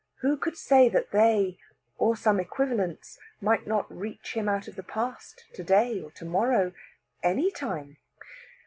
Who could say that they, or some equivalents, might not reach him out of the past to day or to morrow any time?